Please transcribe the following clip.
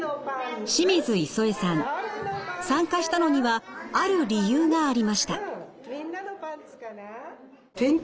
参加したのにはある理由がありました。